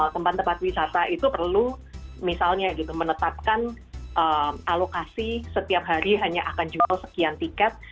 tempat tempat wisata itu perlu misalnya gitu menetapkan alokasi setiap hari hanya akan jual sekian tiket